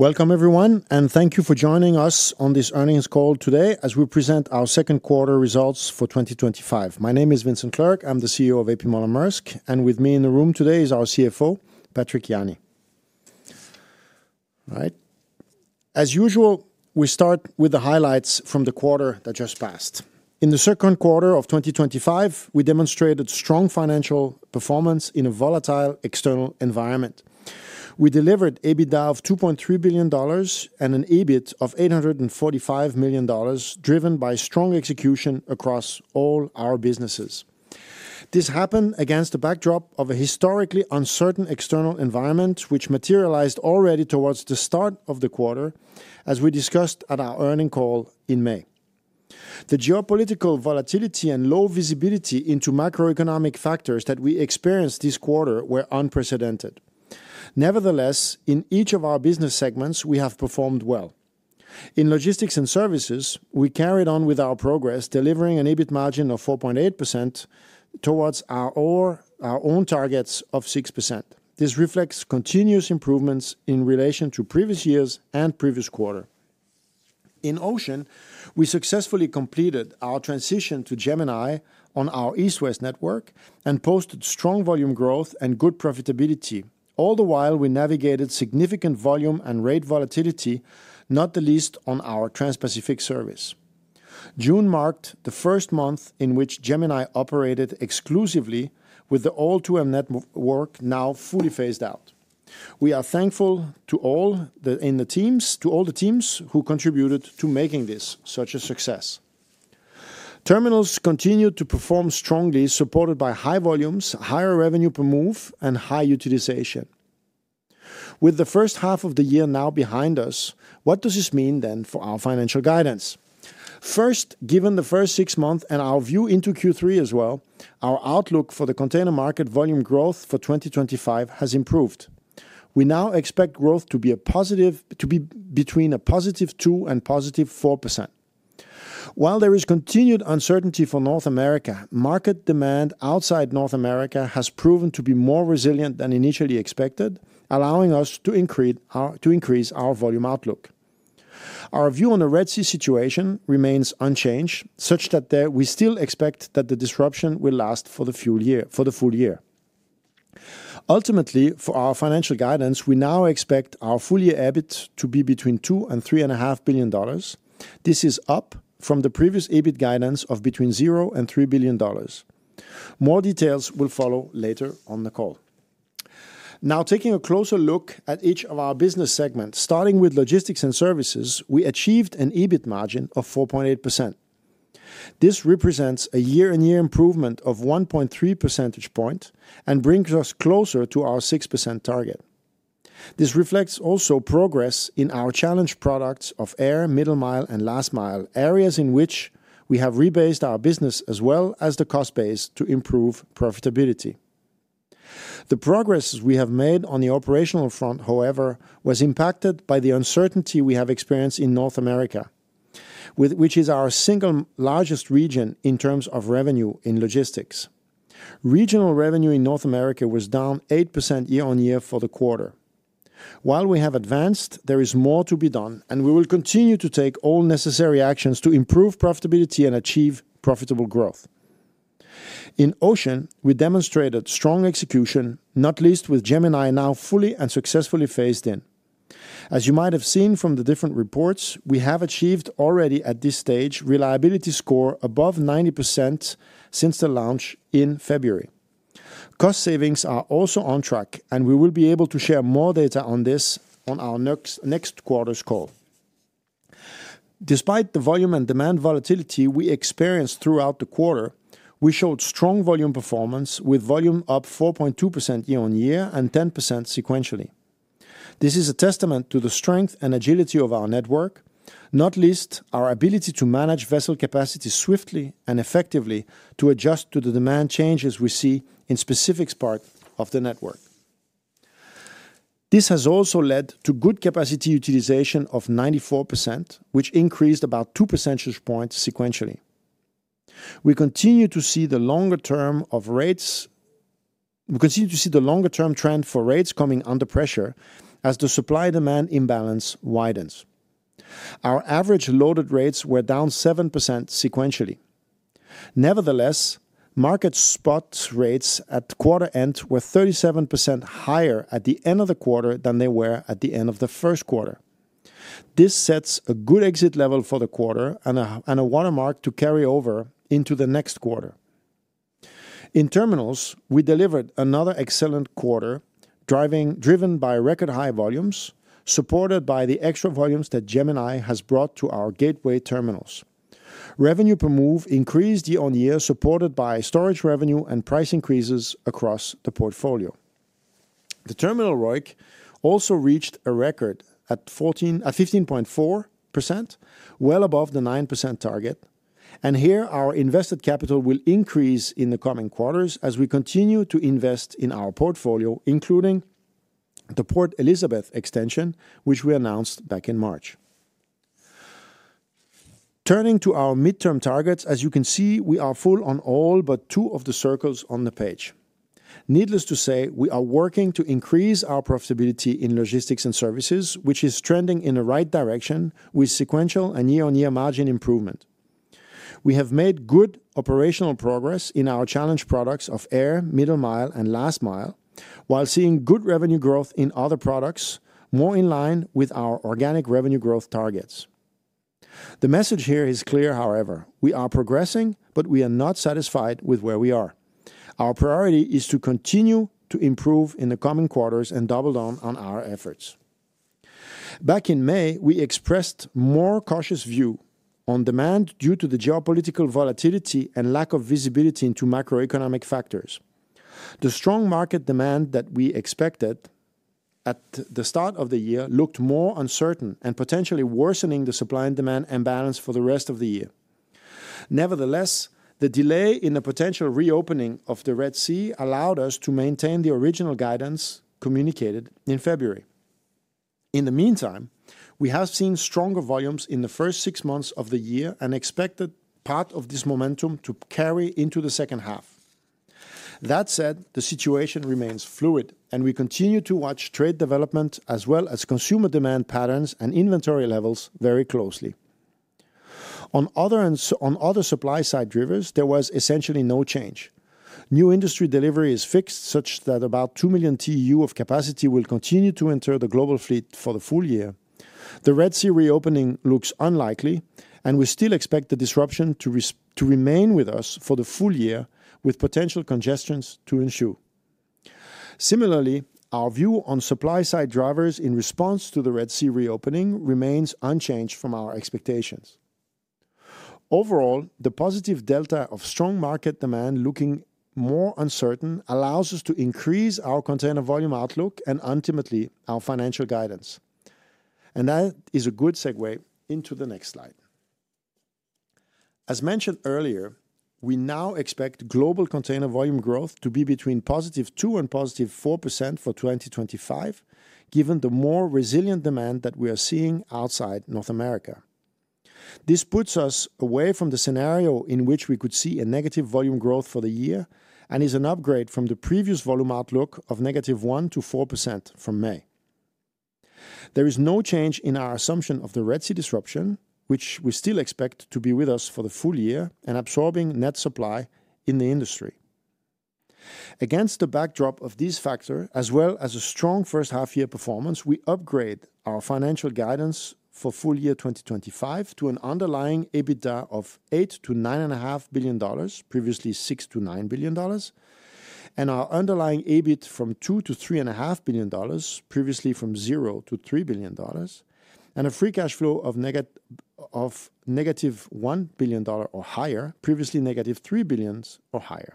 Welcome, everyone, and thank you for joining us on this earnings call today as we present our second quarter results for 2025. My name is Vincent Clerc. I'm the CEO of A.P. Moller - Maersk, and with me in the room today is our CFO, Patrick Jany. As usual, we start with the highlights from the quarter that just passed. In the second quarter of 2025, we demonstrated strong financial performance in a volatile external environment. We delivered EBITDA of $2.3 billion and an EBIT of $845 million, driven by strong execution across all our businesses. This happened against the backdrop of a historically uncertain external environment, which materialized already towards the start of the quarter, as we discussed at our earnings call in May. The geopolitical volatility and low visibility into macroeconomic factors that we experienced this quarter were unprecedented. Nevertheless, in each of our business segments, we have performed well. In Logistics & Services, we carried on with our progress, delivering an EBIT margin of 4.8% towards our own targets of 6%. This reflects continuous improvements in relation to previous years and the previous quarter. In Ocean, we successfully completed our transition to Gemini on our East-West network and posted strong volume growth and good profitability, all the while we navigated significant volume and rate volatility, not the least on our Trans-Pacific service. June marked the first month in which Gemini operated exclusively with the all-2M network now fully phased out. We are thankful to all the teams who contributed to making this such a success. Terminals continued to perform strongly, supported by high volumes, higher revenue per move, and high utilization. With the first half of the year now behind us, what does this mean then for our financial guidance? First, given the first six months and our view into Q3 as well, our outlook for the container market volume growth for 2025 has improved. We now expect growth to be between a +2% and +4%. While there is continued uncertainty for North America, market demand outside North America has proven to be more resilient than initially expected, allowing us to increase our volume outlook. Our view on the Red Sea situation remains unchanged, such that we still expect that the disruption will last for the full year. Ultimately, for our financial guidance, we now expect our full-year EBIT to be between $2 billion and $3.5 billion. This is up from the previous EBIT guidance of between $0 billion and $3 billion. More details will follow later on the call. Now, taking a closer look at each of our business segments, starting with Logistics & Services, we achieved an EBIT margin of 4.8%. This represents a year-on-year improvement of 1.3 percentage points and brings us closer to our 6% target. This reflects also progress in our challenge products of air, middle mile, and last mile, areas in which we have rebased our business as well as the cost base to improve profitability. The progress we have made on the operational front, however, was impacted by the uncertainty we have experienced in North America, which is our single largest region in terms of revenue in Logistics. Regional revenue in North America was down 8% year on year for the quarter. While we have advanced, there is more to be done, and we will continue to take all necessary actions to improve profitability and achieve profitable growth. In Ocean, we demonstrated strong execution, not least with Gemini now fully and successfully phased in. As you might have seen from the different reports, we have achieved already at this stage a reliability score above 90% since the launch in February. Cost savings are also on track, and we will be able to share more data on this on our next quarter's call. Despite the volume and demand volatility we experienced throughout the quarter, we showed strong volume performance with volume up 4.2% year on year and 10% sequentially. This is a testament to the strength and agility of our network, not least our ability to manage vessel capacity swiftly and effectively to adjust to the demand changes we see in a specific part of the network. This has also led to good capacity utilization of 94%, which increased about 2 percentage points sequentially. We continue to see the longer-term trend for rates coming under pressure as the supply-demand imbalance widens. Our average loaded rates were down 7% sequentially. Nevertheless, market spot rates at quarter end were 37% higher at the end of the quarter than they were at the end of the first quarter. This sets a good exit level for the quarter and a watermark to carry over into the next quarter. In Terminals, we delivered another excellent quarter, driven by record high volumes, supported by the extra volumes that Gemini has brought to our gateway terminals. Revenue per move increased year on year, supported by storage revenue and price increases across the portfolio. The terminal ROIC also reached a record at 15.4%, well above the 9% target. Here, our invested capital will increase in the coming quarters as we continue to invest in our portfolio, including the Port Elizabeth extension, which we announced back in March. Turning to our midterm targets, as you can see, we are full on all but two of the circles on the page. Needless to say, we are working to increase our profitability in Logistics & Services, which is trending in the right direction with sequential and year-on-year margin improvement. We have made good operational progress in our challenge products of air, middle mile, and last mile, while seeing good revenue growth in other products, more in line with our organic revenue growth targets. The message here is clear, however. We are progressing, but we are not satisfied with where we are. Our priority is to continue to improve in the coming quarters and double down on our efforts. Back in May, we expressed a more cautious view on demand due to the geopolitical volatility and lack of visibility into macroeconomic factors. The strong market demand that we expected at the start of the year looked more uncertain and potentially worsening the supply and demand imbalance for the rest of the year. Nevertheless, the delay in a potential reopening of the Red Sea allowed us to maintain the original guidance communicated in February. In the meantime, we have seen stronger volumes in the first six months of the year and expected part of this momentum to carry into the second half. That said, the situation remains fluid, and we continue to watch trade development as well as consumer demand patterns and inventory levels very closely. On other supply-side drivers, there was essentially no change. New industry delivery is fixed, such that about 2 million TEU of capacity will continue to enter the global fleet for the full year. The Red Sea reopening looks unlikely, and we still expect the disruption to remain with us for the full year, with potential congestions to ensue. Similarly, our view on supply-side drivers in response to the Red Sea reopening remains unchanged from our expectations. Overall, the positive delta of strong market demand looking more uncertain allows us to increase our container volume outlook and ultimately our financial guidance. That is a good segue into the next slide. As mentioned earlier, we now expect global container volume growth to be between +2% and +4% for 2025, given the more resilient demand that we are seeing outside North America. This puts us away from the scenario in which we could see a negative volume growth for the year and is an upgrade from the previous volume outlook of -1% to 4% from May. There is no change in our assumption of the Red Sea disruption, which we still expect to be with us for the full year and absorbing net supply in the industry. Against the backdrop of these factors, as well as a strong first-half-year performance, we upgrade our financial guidance for full year 2025 to an underlying EBITDA of $8 billion-$9.5 billion, previously $6 billion-$9 billion, and our underlying EBIT from $2 billion-$3.5 billion, previously from $0 billion-$3 billion, and a free cash flow of -$1 billion or higher, previously -$3 billion or higher.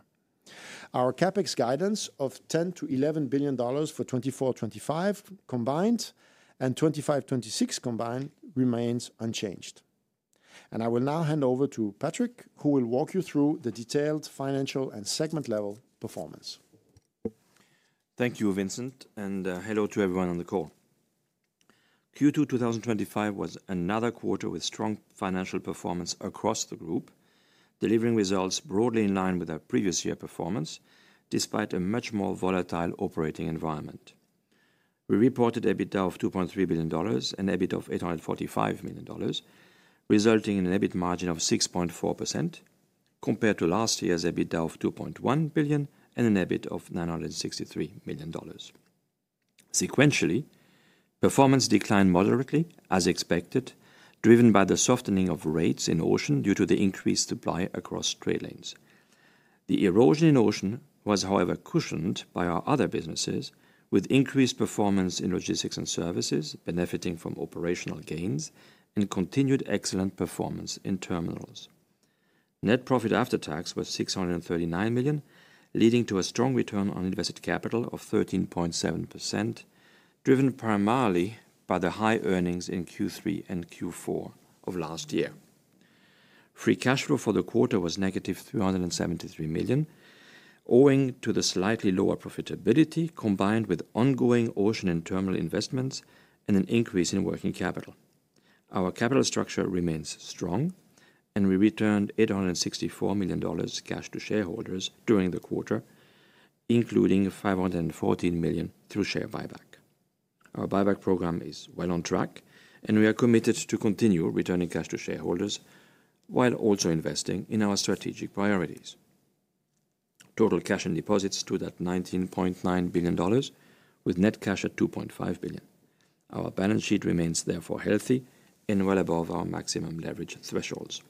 Our CapEx guidance of $10 billion-$11 billion for 2024 and 2025 combined and 2025 and 2026 combined remains unchanged. I will now hand over to Patrick, who will walk you through the detailed financial and segment-level performance. Thank you, Vincent, and hello to everyone on the call. Q2 2025 was another quarter with strong financial performance across the group, delivering results broadly in line with our previous year performance, despite a much more volatile operating environment. We reported EBITDA of $2.3 billion and EBIT of $845 million, resulting in an EBIT margin of 6.4% compared to last year's EBITDA of $2.1 billion and an EBIT of $963 million. Sequentially, performance declined moderately, as expected, driven by the softening of rates in Ocean due to the increased supply across trade lanes. The erosion in Ocean was, however, cushioned by our other businesses, with increased performance in Logistics & Services benefiting from operational gains and continued excellent performance in Terminals. Net profit after tax was $639 million, leading to a strong return on invested capital of 13.7%, driven primarily by the high earnings in Q3 and Q4 of last year. Free cash flow for the quarter was -$373 million, owing to the slightly lower profitability combined with ongoing Ocean and Terminal investments and an increase in working capital. Our capital structure remains strong, and we returned $864 million cash to shareholders during the quarter, including $514 million through share buyback. Our buyback program is well on track, and we are committed to continue returning cash to shareholders while also investing in our strategic priorities. Total cash in deposits stood at $19.9 billion, with net cash at $2.5 billion. Our balance sheet remains therefore healthy and well above our maximum leverage thresholds.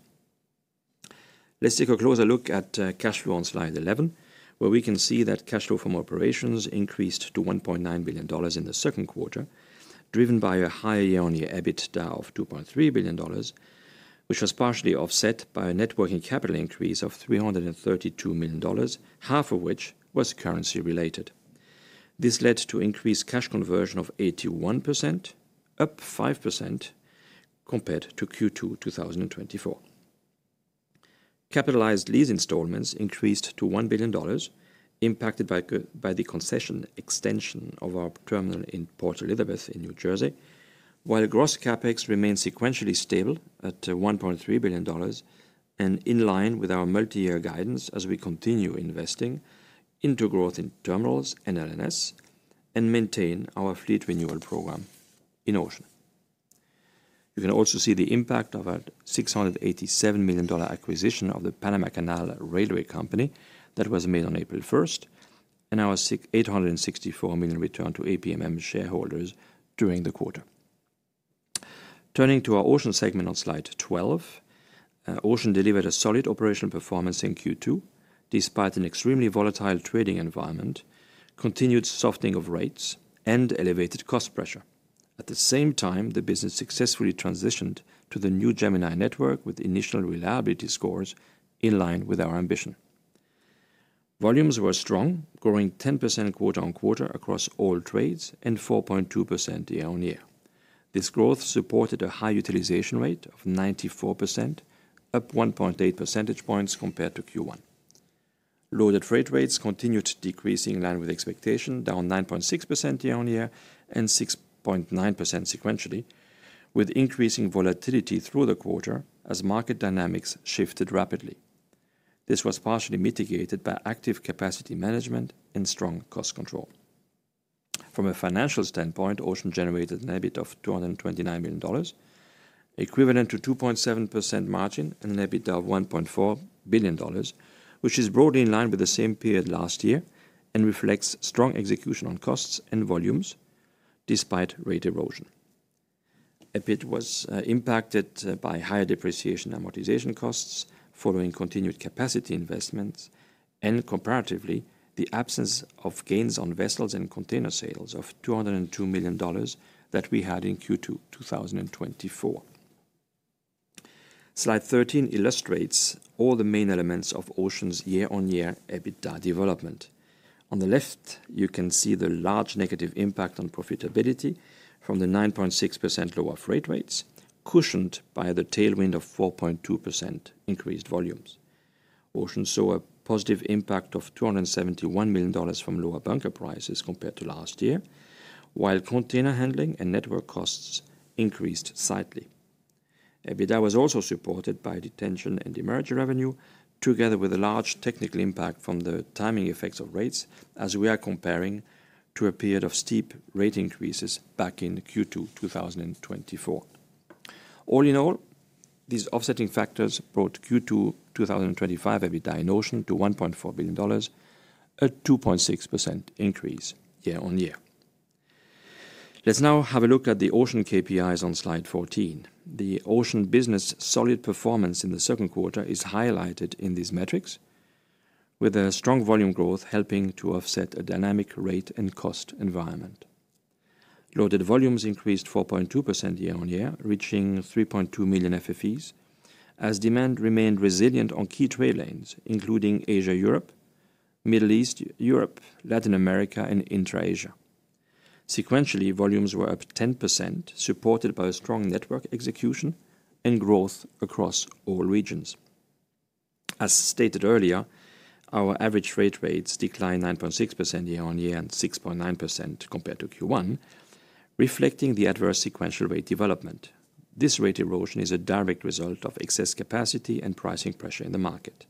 Let's take a closer look at cash flow on slide 11, where we can see that cash flow from operations increased to $1.9 billion in the second quarter, driven by a higher year-on-year EBITDA of $2.3 billion, which was partially offset by a net working capital increase of $332 million, half of which was currency-related. This led to increased cash conversion of 81%, up 5% compared to Q2 2024. Capitalized lease installments increased to $1 billion, impacted by the concession extension of our terminal in Port Elizabeth in New Jersey, while gross CapEx remains sequentially stable at $1.3 billion and in line with our multi-year guidance as we continue investing into growth in Terminals and L&S and maintain our fleet renewal program in Ocean. You can also see the impact of a $687 million acquisition of the Panama Canal Railway Company that was made on April 1, and our $864 million return to APMM shareholders during the quarter. Turning to our Ocean segment on slide 12, Ocean delivered a solid operational performance in Q2 despite an extremely volatile trading environment, continued softening of rates, and elevated cost pressure. At the same time, the business successfully transitioned to the new Gemini network with initial reliability scores in line with our ambition. Volumes were strong, growing 10% quarter on quarter across all trades and 4.2% year on year. This growth supported a high utilization rate of 94%, up 1.8 percentage points compared to Q1. Loaded freight rates continued to decrease in line with expectation, down 9.6% year on year and 6.9% sequentially, with increasing volatility through the quarter as market dynamics shifted rapidly. This was partially mitigated by active capacity management and strong cost control. From a financial standpoint, Ocean generated an EBIT of $229 million, equivalent to a 2.7% margin and an EBITDA of $1.4 billion, which is broadly in line with the same period last year and reflects strong execution on costs and volumes despite rate erosion. EBIT was impacted by higher depreciation and amortization costs following continued capacity investments and, comparatively, the absence of gains on vessels and container sales of $202 million that we had in Q2 2024. Slide 13 illustrates all the main elements of Ocean's year-on-year EBITDA development. On the left, you can see the large negative impact on profitability from the 9.6% lower freight rates, cushioned by the tailwind of 4.2% increased volumes. Ocean saw a positive impact of $271 million from lower bunker prices compared to last year, while container handling and network costs increased slightly. EBITDA was also supported by detention and emergency revenue, together with a large technical impact from the timing effects of rates, as we are comparing to a period of steep rate increases back in Q2 2024. All in all, these offsetting factors brought Q2 2025 EBITDA in Ocean to $1.4 billion, a 2.6% increase year on year. Let's now have a look at the Ocean KPIs on slide 14. The Ocean business solid performance in the second quarter is highlighted in these metrics, with a strong volume growth helping to offset a dynamic rate and cost environment. Loaded volumes increased 4.2% year on year, reaching 3.2 million FFEs, as demand remained resilient on key trade lanes, including Asia-Europe, Middle East-Europe, Latin America, and intra-Asia. Sequentially, volumes were up 10%, supported by a strong network execution and growth across all regions. As stated earlier, our average freight rates declined 9.6% year on year and 6.9% compared to Q1, reflecting the adverse sequential rate development. This rate erosion is a direct result of excess capacity and pricing pressure in the market.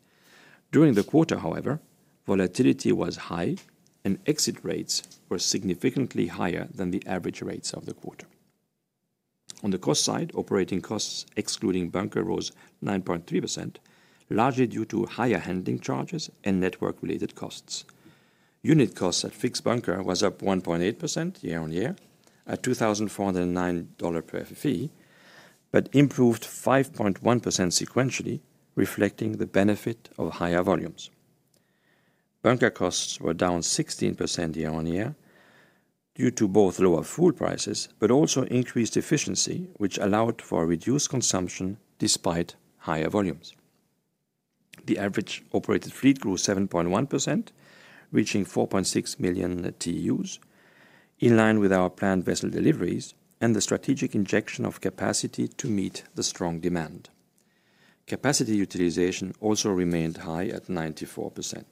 During the quarter, however, volatility was high, and exit rates were significantly higher than the average rates of the quarter. On the cost side, operating costs excluding bunker rose 9.3%, largely due to higher handling charges and network-related costs. Unit costs at fixed bunker were up 1.8% year on year, at $2,409 per FFE, but improved 5.1% sequentially, reflecting the benefit of higher volumes. Bunker costs were down 16% year on year due to both lower fuel prices, but also increased efficiency, which allowed for reduced consumption despite higher volumes. The average operated fleet grew 7.1%, reaching 4.6 million TEUs, in line with our planned vessel deliveries and the strategic injection of capacity to meet the strong demand. Capacity utilization also remained high at 94%.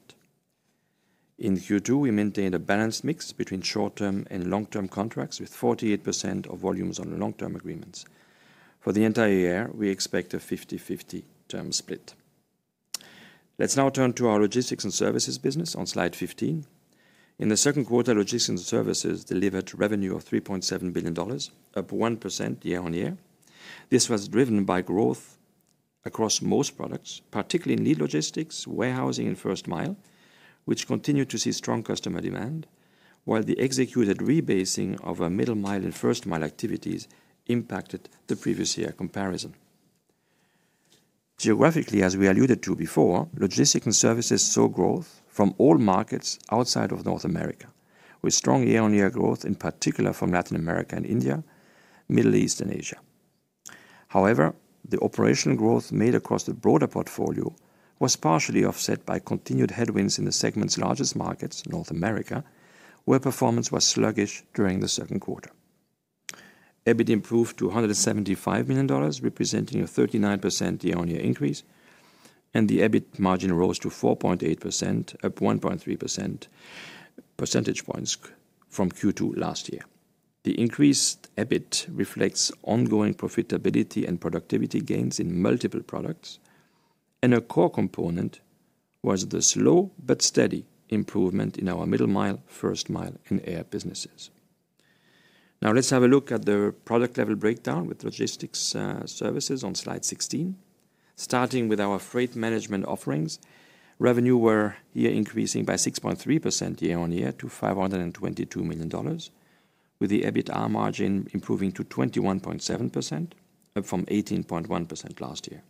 In Q2, we maintained a balanced mix between short-term and long-term contracts with 48% of volumes on long-term agreements. For the entire year, we expect a 50/50 term split. Let's now turn to our Logistics & Services business on slide 15. In the second quarter, Logistics & Services delivered revenue of $3.7 billion, up 1% year on year. This was driven by growth across most products, particularly lead logistics, warehousing, and first mile, which continued to see strong customer demand, while the executed rebasing of middle mile and first mile activities impacted the previous year comparison. Geographically, as we alluded to before, Logistics & Services saw growth from all markets outside of North America, with strong year-on-year growth in particular from Latin America and India, Middle East, and Asia. However, the operational growth made across the broader portfolio was partially offset by continued headwinds in the segment's largest markets, North America, where performance was sluggish during the second quarter. EBIT improved to $175 million, representing a 39% year-on-year increase, and the EBIT margin rose to 4.8%, up 1.3% percentage points from Q2 last year. The increased EBIT reflects ongoing profitability and productivity gains in multiple products, and a core component was the slow but steady improvement in our middle mile, first mile, and air businesses. Now, let's have a look at the product-level breakdown with Logistics & Services on slide 16. Starting with our freight management offerings, revenue were increasing by 6.3% year on year to $522 million, with the EBITDA margin improving to 21.7%, up from 18.1% last year.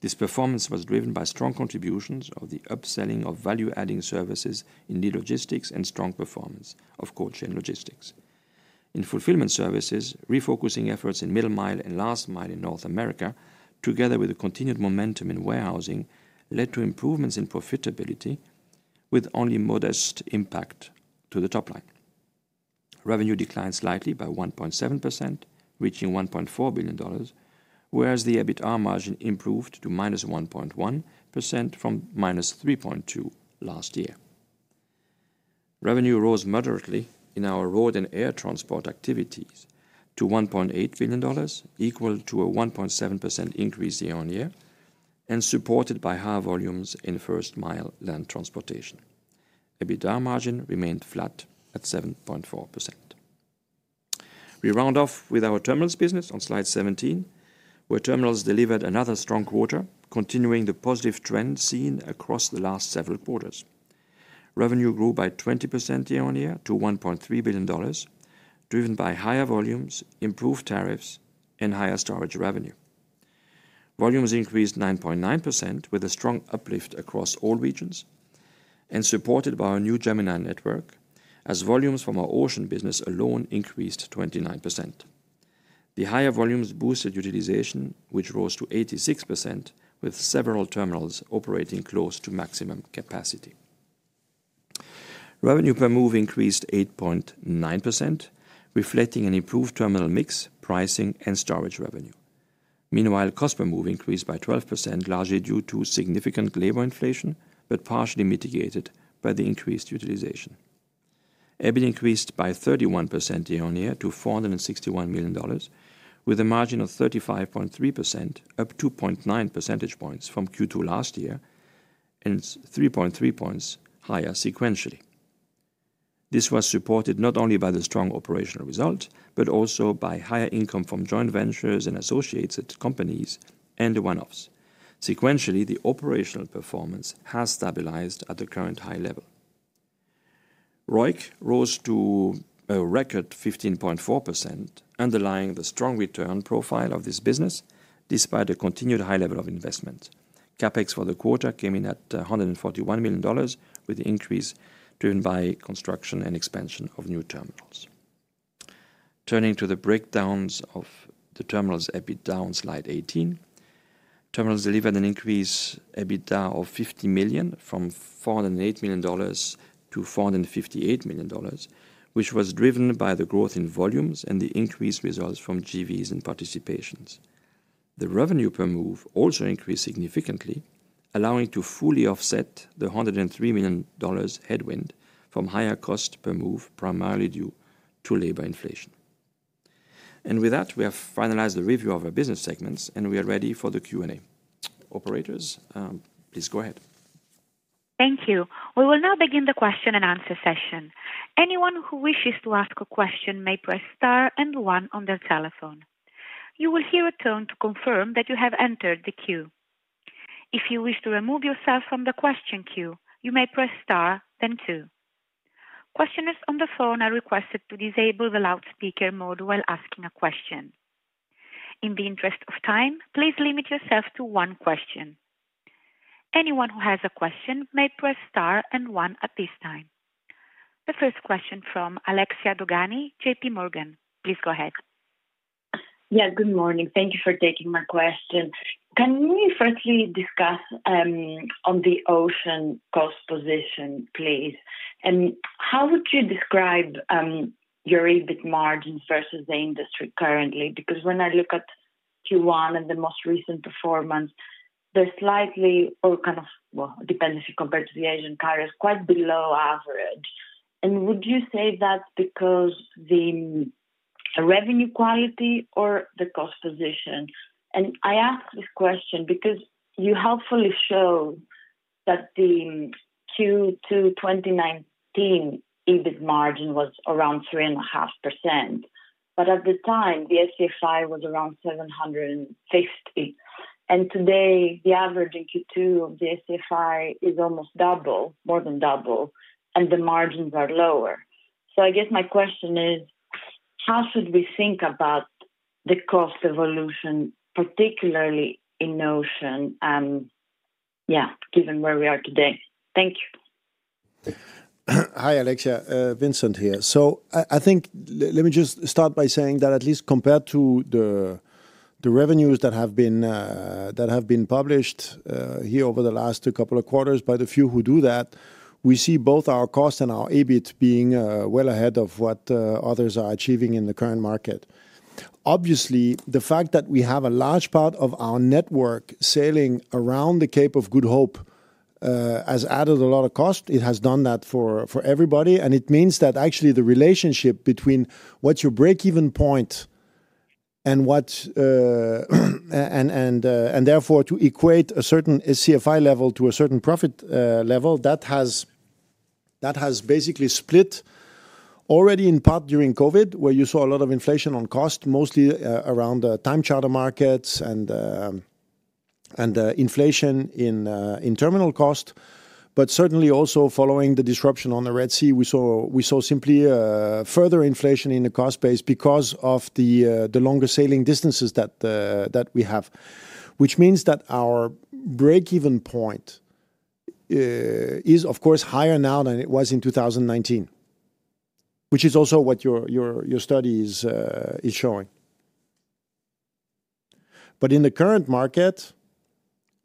This performance was driven by strong contributions of the upselling of value-adding services in lead logistics and strong performance of core chain logistics. In fulfillment services, refocusing efforts in middle mile and last mile in North America, together with the continued momentum in warehousing, led to improvements in profitability with only modest impact to the top line. Revenue declined slightly by 1.7%, reaching $1.4 billion, whereas the EBITDA margin improved to -1.1% from -3.2% last year. Revenue rose moderately in our road and air transport activities to $1.8 billion, equal to a 1.7% increase year on year, and supported by high volumes in first mile land transportation. EBITDA margin remained flat at 7.4%. We round off with our Terminals business on slide 17, where Terminals delivered another strong quarter, continuing the positive trend seen across the last several quarters. Revenue grew by 20% year on year to $1.3 billion, driven by higher volumes, improved tariffs, and higher storage revenue. Volumes increased 9.9% with a strong uplift across all regions and supported by our new Gemini network, as volumes from our Ocean business alone increased 29%. The higher volumes boosted utilization, which rose to 86%, with several terminals operating close to maximum capacity. Revenue per move increased 8.9%, reflecting an improved terminal mix, pricing, and storage revenue. Meanwhile, cost per move increased by 12%, largely due to significant labor inflation, but partially mitigated by the increased utilization. EBIT increased by 31% year on year to $461 million, with a margin of 35.3%, up 2.9 percentage points from Q2 last year and 3.3 points higher sequentially. This was supported not only by the strong operational result, but also by higher income from joint ventures and associated companies and one-offs. Sequentially, the operational performance has stabilized at the current high level. ROIC rose to a record 15.4%, underlying the strong return profile of this business despite the continued high level of investment. CapEx for the quarter came in at $141 million, with the increase driven by construction and expansion of new terminals. Turning to the breakdowns of the Terminals EBITDA on slide 18, Terminals delivered an increased EBITDA of $50 million, from $408 million to $458 million, which was driven by the growth in volumes and the increased results from JVs and participations. The revenue per move also increased significantly, allowing to fully offset the $103 million headwind from higher costs per move, primarily due to labor inflation. With that, we have finalized the review of our business segments, and we are ready for the Q&A. Operators, please go ahead. Thank you. We will now begin the question and answer session. Anyone who wishes to ask a question may press star and one on their telephone. You will hear a tone to confirm that you have entered the queue. If you wish to remove yourself from the question queue, you may press star, then two. Questioners on the phone are requested to disable the loudspeaker mode while asking a question. In the interest of time, please limit yourself to one question. Anyone who has a question may press star and one at this time. The first question from Alexia Dogani, JPMorgan. Please go ahead. Good morning. Thank you for taking my question. Can we firstly discuss the Ocean cost position, please? How would you describe your EBIT margin versus the industry currently? When I look at Q1 and the most recent performance, they're slightly or kind of, well, dependency compared to the Asian carriers, quite below average. Would you say that's because of the revenue quality or the cost position? I ask this question because you helpfully show that the Q2 2019 EBIT margin was around 3.5%. At the time, the SCFI was around 750. Today, the average in Q2 of the SCFI is almost double, more than double, and the margins are lower. I guess my question is, how should we think about the cost evolution, particularly in Ocean, given where we are today? Thank you. Hi, Alexia. Vincent here. I think let me just start by saying that at least compared to the revenues that have been published here over the last couple of quarters by the few who do that, we see both our costs and our EBIT being well ahead of what others are achieving in the current market. Obviously, the fact that we have a large part of our network sailing around the Cape of Good Hope has added a lot of cost. It has done that for everybody, and it means that actually the relationship between what's your break-even point and what and therefore to equate a certain SCFI level to a certain profit level, that has basically split already in part during COVID, where you saw a lot of inflation on cost, mostly around the time charter markets and inflation in terminal cost. Certainly also following the disruption on the Red Sea, we saw simply further inflation in the cost base because of the longer sailing distances that we have, which means that our break-even point is, of course, higher now than it was in 2019, which is also what your study is showing. In the current market,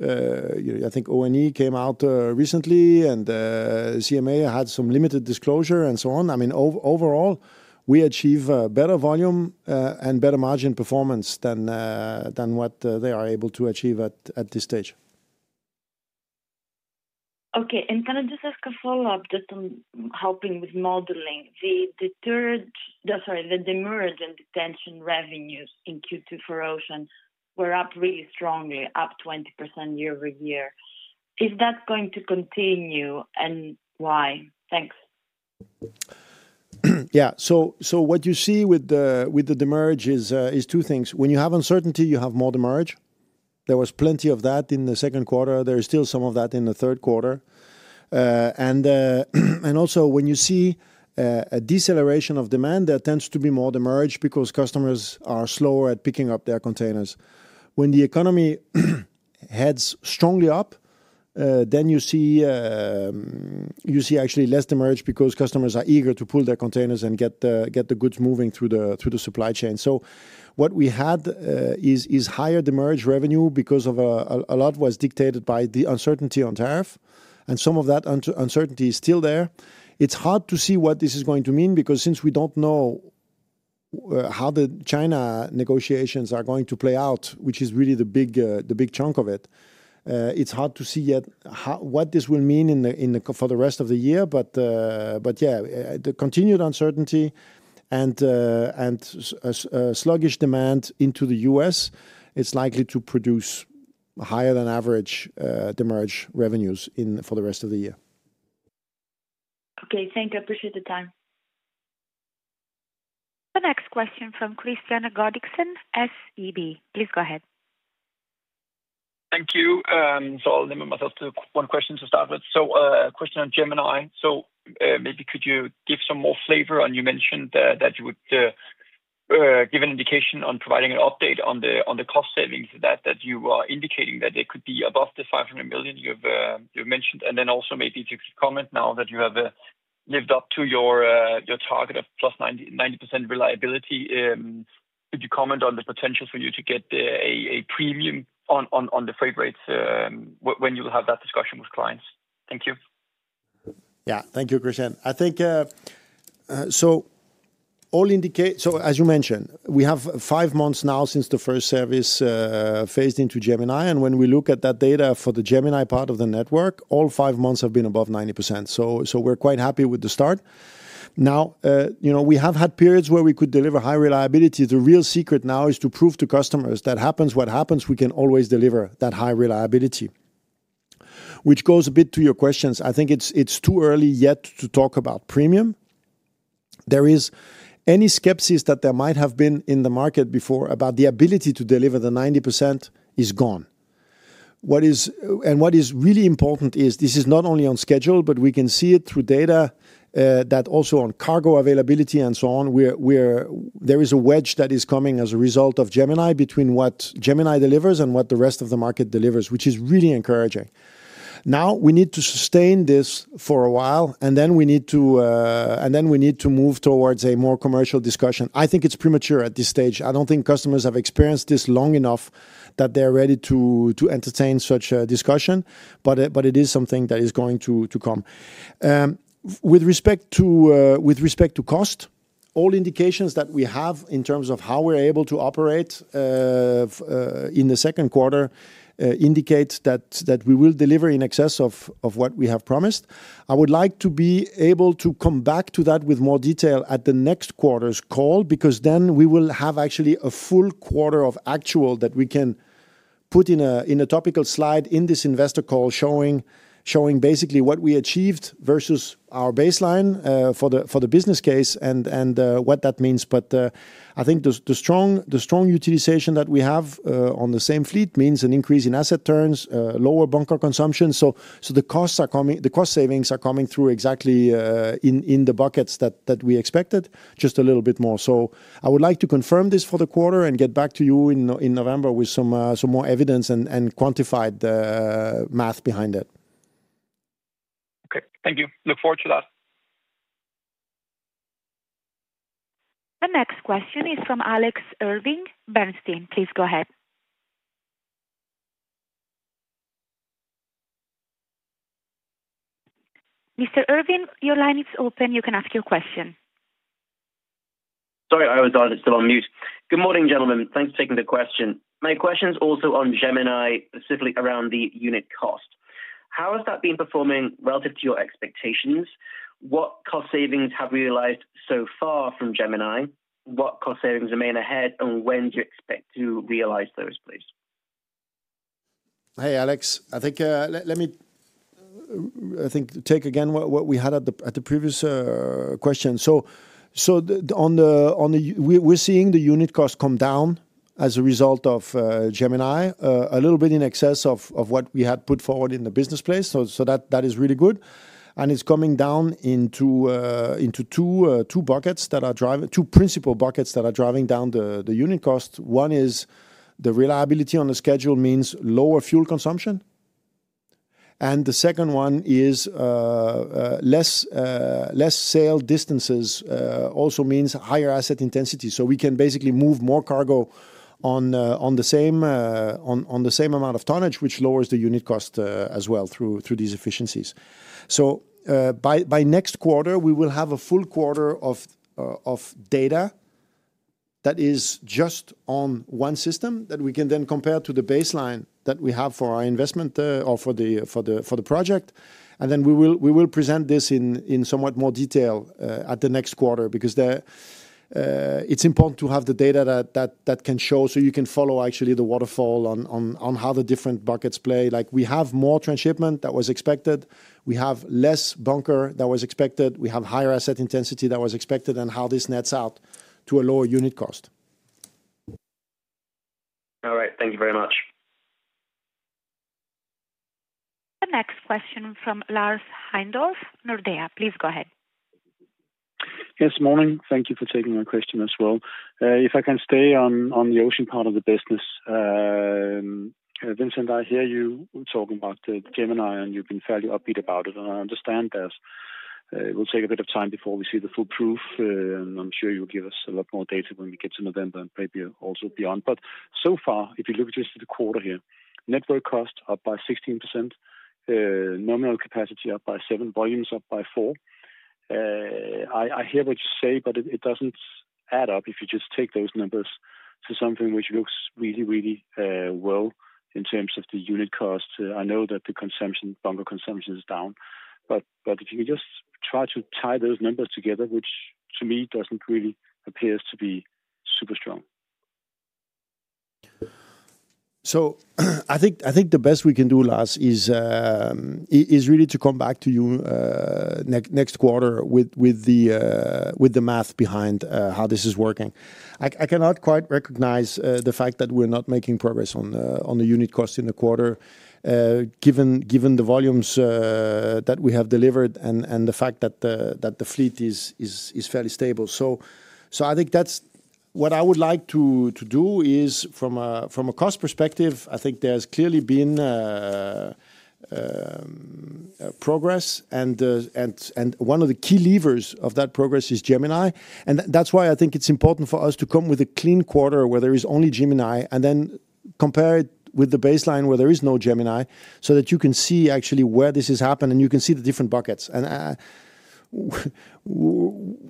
I think ONE came out recently and CMA had some limited disclosure and so on. Overall, we achieve better volume and better margin performance than what they are able to achieve at this stage. Okay. Can I just ask a follow-up just on helping with modeling? The merge and detention revenues in Q2 for Ocean were up really strongly, up 20% year-over-year. Is that going to continue and why? Thanks. Yeah. What you see with the demurrage is two things. When you have uncertainty, you have more demurrage. There was plenty of that in the second quarter. There is still some of that in the third quarter. Also, when you see a deceleration of demand, there tends to be more demurrage because customers are slower at picking up their containers. When the economy heads strongly up, you see actually less demurrage because customers are eager to pull their containers and get the goods moving through the supply chain. What we had is higher demurrage revenue because a lot was dictated by the uncertainty on tariff, and some of that uncertainty is still there. It's hard to see what this is going to mean because since we don't know how the China negotiations are going to play out, which is really the big chunk of it, it's hard to see yet what this will mean for the rest of the year. The continued uncertainty and sluggish demand into the U.S. is likely to produce higher than average demurrage revenues for the rest of the year. Okay, thank you. I appreciate the time. The next question from Kristian Godiksen, SEB. Please go ahead. Thank you. I'll limit myself to one question to start with. A question on Gemini. Could you give some more flavor? You mentioned that you would give an indication on providing an update on the cost savings that you are indicating that it could be above the $500 million you've mentioned. Also, could you comment now that you have lived up to your target of +90% reliability? Could you comment on the potential for you to get a premium on the freight rates when you will have that discussion with clients? Thank you. Thank you, Kristian. I think as you mentioned, we have five months now since the first service phased into Gemini. When we look at that data for the Gemini part of the network, all five months have been above 90%. We're quite happy with the start. We have had periods where we could deliver high reliability. The real secret now is to prove to customers that whatever happens, we can always deliver that high reliability, which goes a bit to your questions. I think it's too early yet to talk about premium. Any skepticism that there might have been in the market before about the ability to deliver the 90% is gone. What is really important is this is not only on schedule, but we can see it through data that also on cargo availability and so on. There is a wedge that is coming as a result of Gemini between what Gemini delivers and what the rest of the market delivers, which is really encouraging. We need to sustain this for a while, and then we need to move towards a more commercial discussion. I think it's premature at this stage. I don't think customers have experienced this long enough that they're ready to entertain such a discussion, but it is something that is going to come. With respect to cost, all indications that we have in terms of how we're able to operate in the second quarter indicate that we will deliver in excess of what we have promised. I would like to be able to come back to that with more detail at the next quarter's call because then we will have actually a full quarter of actual that we can put in a topical slide in this investor call showing basically what we achieved versus our baseline for the business case and what that means. I think the strong utilization that we have on the same fleet means an increase in asset turns, lower bunker consumption. The cost savings are coming through exactly in the buckets that we expected, just a little bit more. I would like to confirm this for the quarter and get back to you in November with some more evidence and quantified math behind it. Okay, thank you. Look forward to that. The next question is from Alex Irving, Bernstein. Please go ahead. Mr. Irving, your line is open. You can ask your question. Sorry, I was still on mute. Good morning, gentlemen. Thanks for taking the question. My question is also on Gemini, specifically around the unit cost. How has that been performing relative to your expectations? What cost savings have we realized so far from Gemini? What cost savings remain ahead, and when do you expect to realize those, please? Hey, Alex. Let me take again what we had at the previous question. We're seeing the unit costs come down as a result of Gemini, a little bit in excess of what we had put forward in the business place. That is really good. It's coming down into two buckets that are driving two principal buckets that are driving down the unit cost. One is the reliability on the schedule means lower fuel consumption. The second one is less sail distances also means higher asset intensity. We can basically move more cargo on the same amount of tonnage, which lowers the unit cost as well through these efficiencies. By next quarter, we will have a full quarter of data that is just on one system that we can then compare to the baseline that we have for our investment or for the project. We will present this in somewhat more detail at the next quarter because it's important to have the data that can show so you can follow actually the waterfall on how the different buckets play. Like we have more transshipment that was expected. We have less bunker that was expected. We have higher asset intensity that was expected and how this nets out to a lower unit cost. All right. Thank you very much. The next question from Lars Heindorff, Nordea. Please go ahead. Yes, morning. Thank you for taking my question as well. If I can stay on the Ocean part of the business, Vincent, I hear you talking about Gemini, and you've been fairly upbeat about it. I understand that it will take a bit of time before we see the full proof. I'm sure you'll give us a lot more data when we get to November and maybe also beyond. So far, if you look at this quarter here, network costs up by 16%, nominal capacity up by 7%, volumes up by 4%. I hear what you say, but it doesn't add up if you just take those numbers to something which looks really, really well in terms of the unit cost. I know that the consumption, bunker consumption is down. If you can just try to tie those numbers together, which to me doesn't really appear to be. I think the best we can do, Lars, is really to come back to you next quarter with the math behind how this is working. I cannot quite recognize the fact that we're not making progress on the unit cost in the quarter, given the volumes that we have delivered and the fact that the fleet is fairly stable. I think that's what I would like to do is from a cost perspective, I think there's clearly been progress, and one of the key levers of that progress is Gemini. That's why I think it's important for us to come with a clean quarter where there is only Gemini and then compare it with the baseline where there is no Gemini so that you can see actually where this has happened and you can see the different buckets.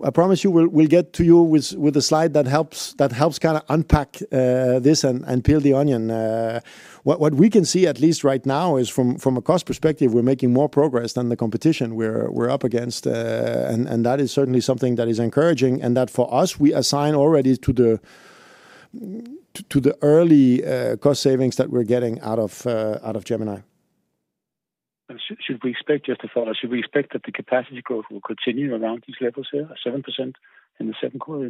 I promise you we'll get to you with a slide that helps kind of unpack this and peel the onion. What we can see, at least right now, is from a cost perspective, we're making more progress than the competition we're up against. That is certainly something that is encouraging and that for us, we assign already to the early cost savings that we're getting out of Gemini. Should we expect that the capacity growth will continue around these levels here, at 7% in the second quarter?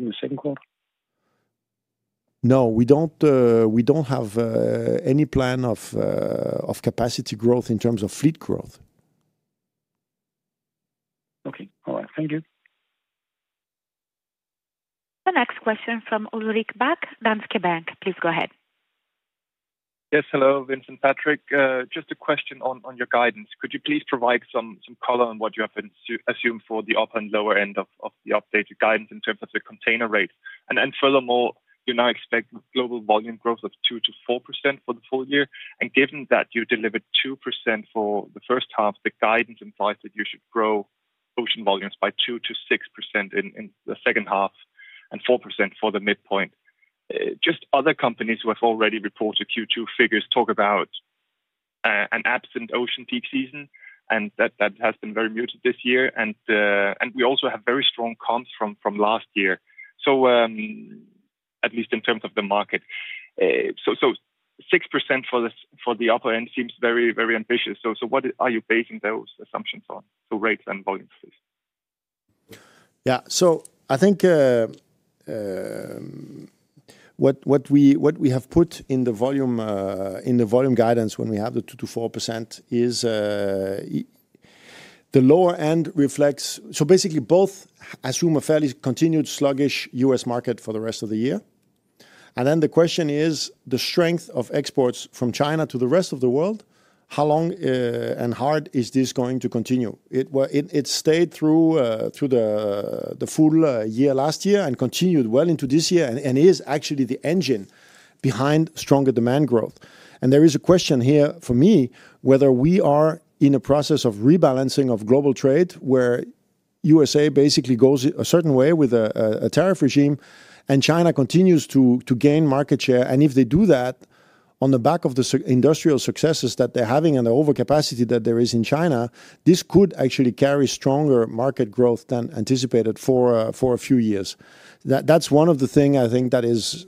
No, we don't have any plan of capacity growth in terms of fleet growth. Okay. All right. Thank you. The next question from Ulrik Bak, Danske Bank. Please go ahead. Yes, hello, Vincent, Patrick. Just a question on your guidance. Could you please provide some color on what you have been to assume for the upper and lower end of the updated guidance in terms of the container rate? Furthermore, you now expect global volume growth of 2%-4% for the full year. Given that you delivered 2% for the first half, the guidance implies that you should grow Ocean volumes by 2%-6% in the second half and 4% for the midpoint. Other companies who have already reported Q2 figures talk about an absent Ocean peak season, and that has been very muted this year. We also have very strong comps from last year, at least in terms of the market, so 6% for the upper end seems very, very ambitious. What are you basing those assumptions on, the rates and volumes? Yeah. I think what we have put in the volume guidance when we have the 2%-4% is the lower end reflects, basically both assume a fairly continued sluggish U.S. market for the rest of the year. The question is the strength of exports from China to the rest of the world. How long and hard is this going to continue? It stayed through the full year last year and continued well into this year and is actually the engine behind stronger demand growth. There is a question here for me whether we are in a process of rebalancing of global trade where the U.S.A. basically goes a certain way with a tariff regime and China continues to gain market share. If they do that on the back of the industrial successes that they're having and the overcapacity that there is in China, this could actually carry stronger market growth than anticipated for a few years. That's one of the things I think that is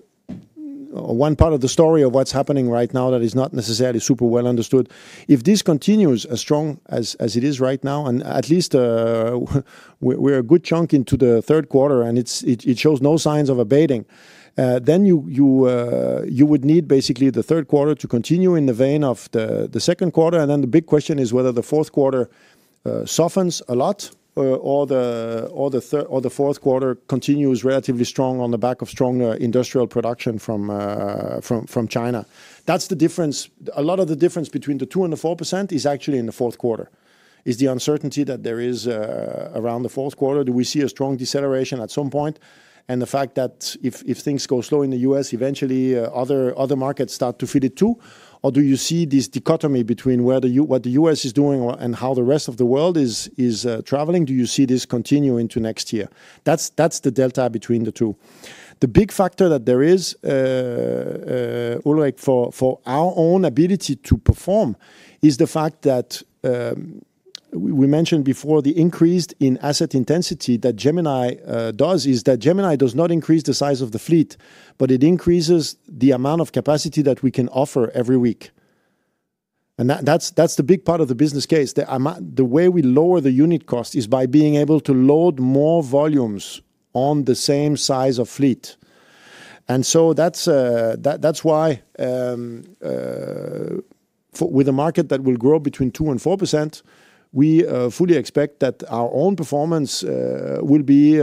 one part of the story of what's happening right now that is not necessarily super well-understood. If this continues as strong as it is right now, and at least we're a good chunk into the third quarter and it shows no signs of abating, you would need basically the third quarter to continue in the vein of the second quarter. The big question is whether the fourth quarter softens a lot or the fourth quarter continues relatively strong on the back of strong industrial production from China. That's the difference. A lot of the difference between the 2% and the 4% is actually in the fourth quarter. Is the uncertainty that there is around the fourth quarter? Do we see a strong deceleration at some point? The fact that if things go slow in the U.S., eventually other markets start to fit it too? Or do you see this dichotomy between what the U.S. is doing and how the rest of the world is traveling? Do you see this continue into next year? That's the delta between the two. The big factor that there is, Ulrik, for our own ability to perform is the fact that we mentioned before the increase in asset intensity that Gemini does is that Gemini does not increase the size of the fleet, but it increases the amount of capacity that we can offer every week. That's the big part of the business case. The way we lower the unit cost is by being able to load more volumes on the same size of fleet. That is why with a market that will grow between 2% and 4%, we fully expect that our own performance will be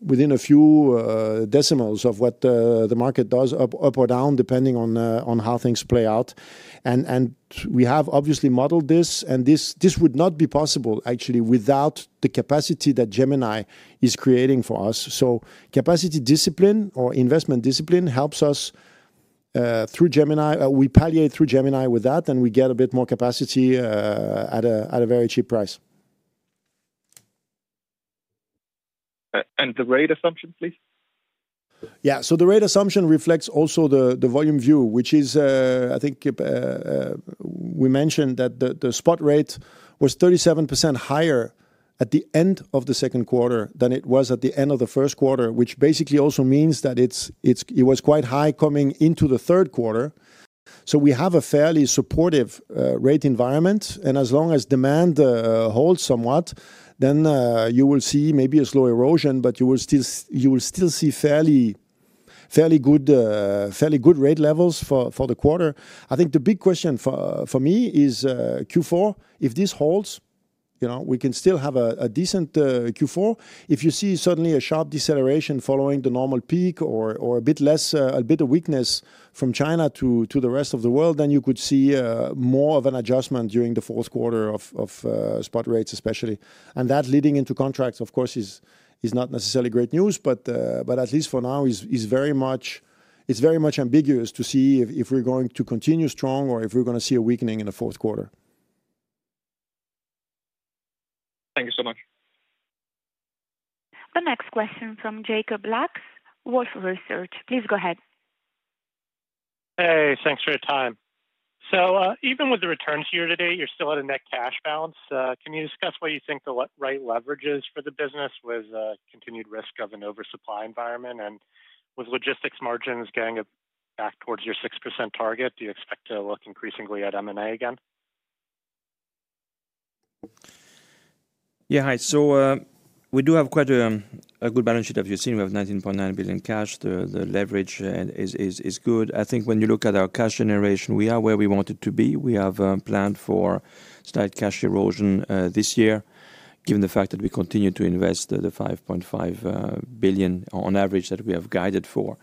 within a few decimals of what the market does up or down, depending on how things play out. We have obviously modeled this, and this would not be possible actually without the capacity that the Gemini is creating for us. Capacity discipline or investment discipline helps us through the Gemini. We palliate through the Gemini with that, and we get a bit more capacity at a very cheap price. The rate assumption, please. Yeah. The rate assumption reflects also the volume view, which is, I think we mentioned that the spot rate was 37% higher at the end of the second quarter than it was at the end of the first quarter, which basically also means that it was quite high coming into the third quarter. We have a fairly supportive rate environment. As long as demand holds somewhat, you will see maybe a slow erosion, but you will still see fairly good rate levels for the quarter. I think the big question for me is Q4. If this holds, you know we can still have a decent Q4. If you see suddenly a sharp deceleration following the normal peak or a bit less, a bit of weakness from China to the rest of the world, you could see more of an adjustment during the fourth quarter of spot rates, especially. That leading into contracts, of course, is not necessarily great news, but at least for now, it's very much ambiguous to see if we're going to continue strong or if we're going to see a weakening in the fourth quarter. Thank you so much. The next question from Jacob Lacks, Wolfe Research. Please go ahead. Hey, thanks for your time. Even with the returns here today, you're still at a net cash balance. Can you discuss what you think the right leverage is for the business with continued risk of an oversupply environment and with Logistics margins getting back towards your 6% target? Do you expect to look increasingly at M&A again? Yeah, hi. We do have quite a good balance sheet of our team. We have $19.9 billion cash. The leverage is good. I think when you look at our cash generation, we are where we wanted to be. We have planned for slight cash erosion this year, given the fact that we continue to invest the $5.5 billion on average that we have guided for.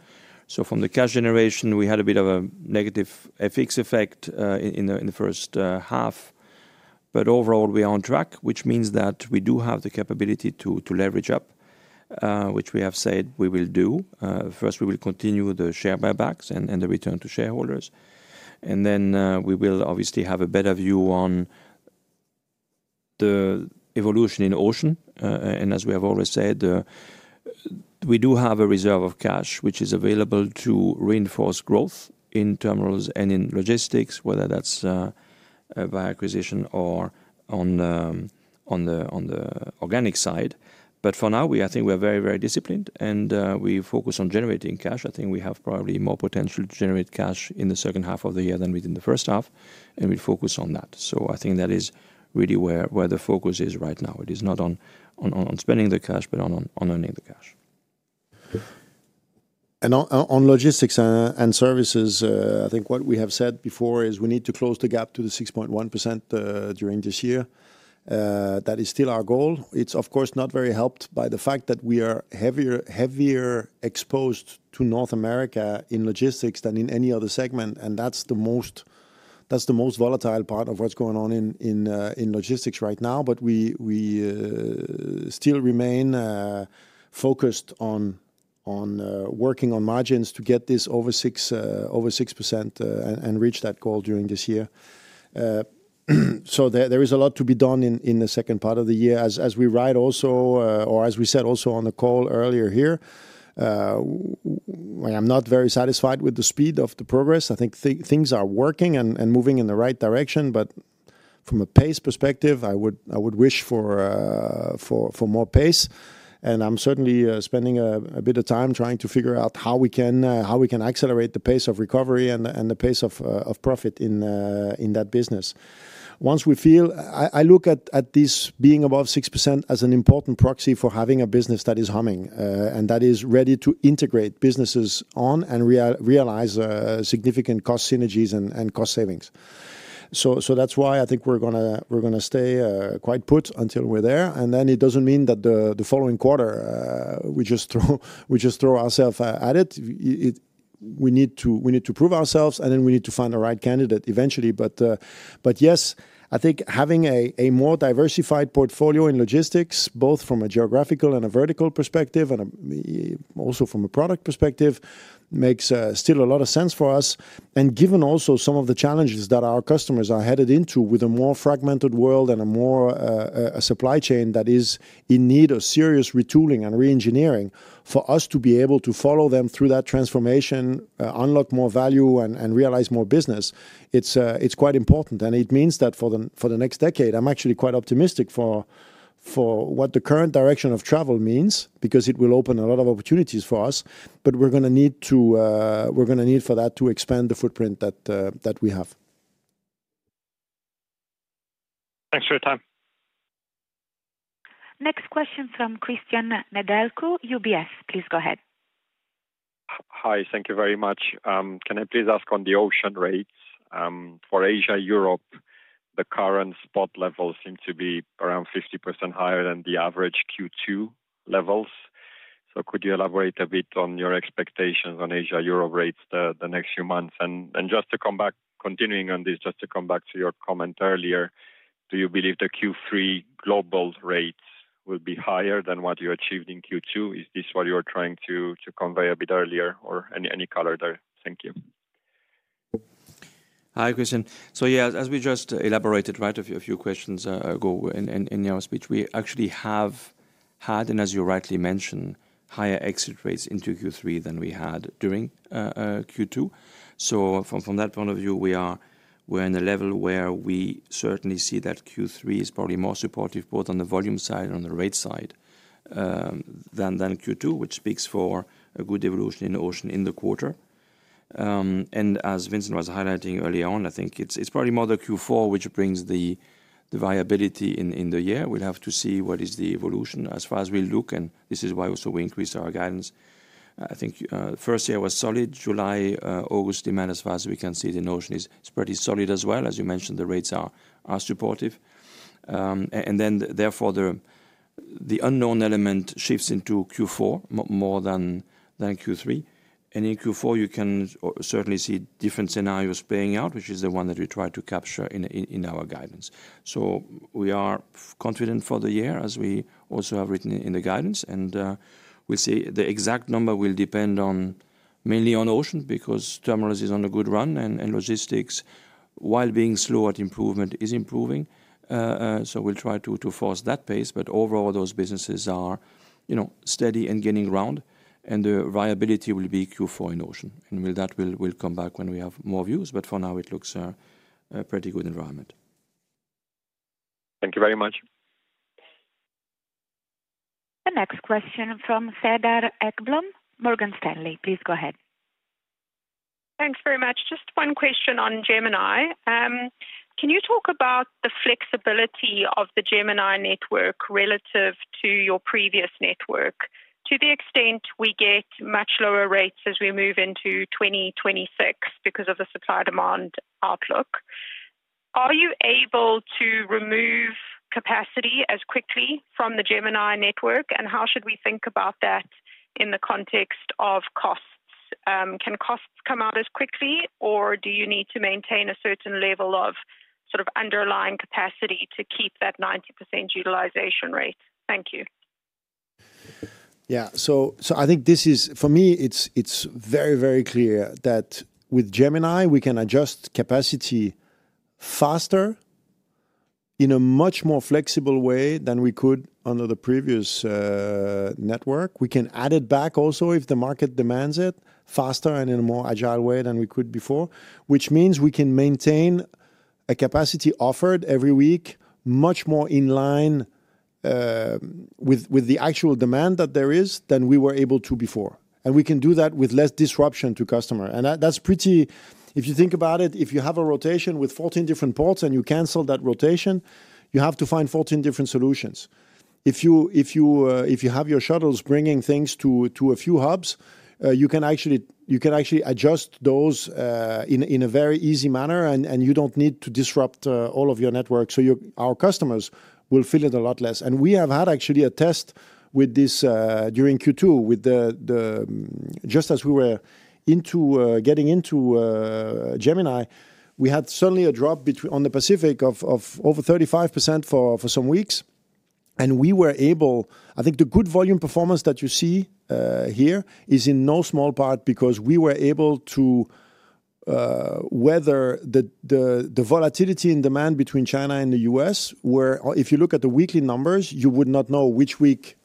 From the cash generation, we had a bit of a negative FX effect in the first half, but overall, we are on track, which means that we do have the capability to leverage up, which we have said we will do. First, we will continue the share buybacks and the return to shareholders. We will obviously have a better view on the evolution in Ocean. As we have already said, we do have a reserve of cash, which is available to reinforce growth in Terminals and in Logistics, whether that's by acquisition or on the organic side. For now, I think we are very, very disciplined, and we focus on generating cash. I think we have probably more potential to generate cash in the second half of the year than within the first half, and we focus on that. That is really where the focus is right now. It is not on spending the cash, but on earning the cash. On Logistics & Services, I think what we have said before is we need to close the gap to the 6.1% during this year. That is still our goal. It's, of course, not very helped by the fact that we are heavier exposed to North America in logistics than in any other segment, and that's the most volatile part of what's going on in logistics right now. We still remain focused on working on margins to get this over 6% and reach that goal during this year. There is a lot to be done in the second part of the year. As we said also on the call earlier here, I am not very satisfied with the speed of the progress. I think things are working and moving in the right direction, but from a pace perspective, I would wish for more pace. I'm certainly spending a bit of time trying to figure out how we can accelerate the pace of recovery and the pace of profit in that business. Once we feel, I look at this being above 6% as an important proxy for having a business that is humming and that is ready to integrate businesses on and realize significant cost synergies and cost savings. That's why I think we're going to stay quite put until we're there. It doesn't mean that the following quarter we just throw ourselves at it. We need to prove ourselves, and then we need to find the right candidate eventually. Yes, I think having a more diversified portfolio in logistics, both from a geographical and a vertical perspective and also from a product perspective, makes still a lot of sense for us. Given also some of the challenges that our customers are headed into with a more fragmented world and a more supply chain that is in need of serious retooling and re-engineering, for us to be able to follow them through that transformation, unlock more value, and realize more business, it's quite important. It means that for the next decade, I'm actually quite optimistic for what the current direction of travel means because it will open a lot of opportunities for us. We're going to need for that to expand the footprint that we have. Thanks for your time. Next question from Cristian Nedelcu, UBS. Please go ahead. Hi, thank you very much. Can I please ask on the Ocean rates? For Asia-Europe, the current spot levels seem to be around 50% higher than the average Q2 levels. Could you elaborate a bit on your expectations on Asia-Europe rates the next few months? Just to come back to your comment earlier, do you believe the Q3 global rates will be higher than what you achieved in Q2? Is this what you were trying to convey a bit earlier or any color there? Thank you. Hi, Cristian. As we just elaborated a few questions ago in your speech, we actually have had, and as you rightly mentioned, higher exit rates into Q3 than we had during Q2. From that point of view, we are in a level where we certainly see that Q3 is probably more supportive both on the volume side and on the rate side than Q2, which speaks for a good evolution in Ocean in the quarter. As Vincent was highlighting earlier on, I think it's probably more the Q4 which brings the viability in the year. We'll have to see what is the evolution as far as we look, and this is why also we increase our guidance. I think the first year was solid. July, August demand, as far as we can see, in Ocean is pretty solid as well. As you mentioned, the rates are supportive. Therefore, the unknown element shifts into Q4 more than Q3. In Q4, you can certainly see different scenarios playing out, which is the one that we try to capture in our guidance. We are confident for the year, as we also have written in the guidance. We see the exact number will depend mainly on Ocean because Terminals is on a good run and Logistics, while being slow at improvement, is improving. We'll try to force that pace. Overall, those businesses are steady and gaining ground, and the viability will be Q4 in Ocean. That will come back when we have more views. For now, it looks a pretty good environment. Thank you very much. The next question from Cedar Ekblom, Morgan Stanley. Please go ahead. Thanks very much. Just one question on Gemini. Can you talk about the flexibility of the Gemini network relative to your previous network to the extent we get much lower rates as we move into 2026 because of the supply-demand outlook? Are you able to remove capacity as quickly from the Gemini network, and how should we think about that in the context of costs? Can costs come out as quickly, or do you need to maintain a certain level of sort of underlying capacity to keep that 90% utilization rate? Thank you. I think this is, for me, it's very, very clear that with Gemini, we can adjust capacity faster in a much more flexible way than we could under the previous network. We can add it back also if the market demands it faster and in a more agile way than we could before, which means we can maintain a capacity offered every week much more in line with the actual demand that there is than we were able to before. We can do that with less disruption to customers. If you think about it, if you have a rotation with 14 different ports and you cancel that rotation, you have to find 14 different solutions. If you have your shuttles bringing things to a few hubs, you can actually adjust those in a very easy manner, and you don't need to disrupt all of your network. Our customers will feel it a lot less. We have had actually a test with this during Q2. Just as we were getting into Gemini, we had suddenly a drop on the Pacific of over 35% for some weeks. I think the good volume performance that you see here is in no small part because we were able to weather the volatility in demand between China and the U.S., where if you look at the weekly numbers, you would not know which week